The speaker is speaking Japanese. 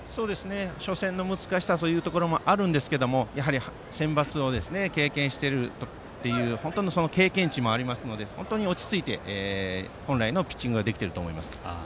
初戦の難しさというところもあるんですがやはりセンバツを経験しているという経験値もありますので本当に落ち着いて本来のピッチングができていると思います。